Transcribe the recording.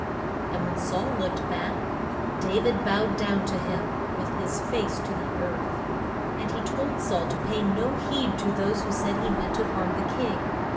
And when Saul looked back, Da vid bowed down to him with his face to the earth. And he told Saul to pay no heed to those who said he meant to harm the king.